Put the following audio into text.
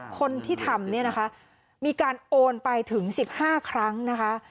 คนที่ทำมีการโอนไปถึง๑๕ครั้งนะคะ